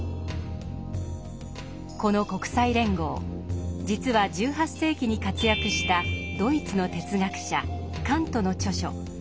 この国際連合実は１８世紀に活躍したドイツの哲学者カントの著書